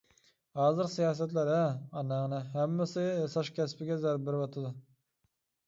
ھازىرقى سىياسەتلەر ھە، ئاناڭنى ھەممىسى ياساش كەسپىگە زەربە بېرىۋاتىدۇ.